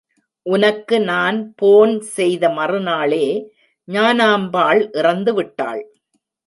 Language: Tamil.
உனக்கு நான் போன் செய்த மறுநாளே ஞானாம்பாள் இறந்து விட்டாள்.